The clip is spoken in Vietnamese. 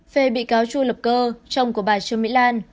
phê bị cáo chu lập cơ chồng của bà trương mỹ lan